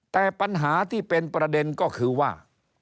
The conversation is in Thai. แต่ปัญหาที่เป็นประเด็นก็คือว่า